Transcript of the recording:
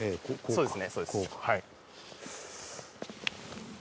そうです。